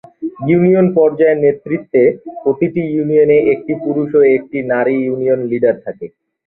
Union পর্যায়ের নেতৃত্বে, প্রতিটি ইউনিয়নে একটি পুরুষ ও একটি নারী ইউনিয়ন লিডার থাকে।